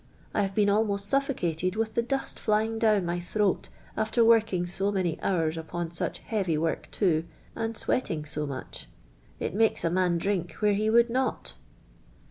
I have lieen alnx^st sutfocated with the du^t Hyinj; down my throat aftr working so many hours upon such heavy work too, and sweating so much. It makes a man drink where he would not."